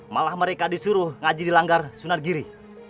malah mereka disuruh ngajiri langgar sunan giri